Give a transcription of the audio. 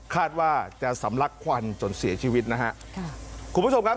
คาดว่าจะสำลักควันจนเสียชีวิตนะฮะค่ะคุณผู้ชมครับ